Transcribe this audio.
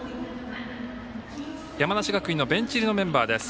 山梨学院のベンチ入りのメンバーです。